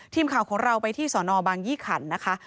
ทีมข่าวของเราไปที่สอนอบางยี่ขันนะคะ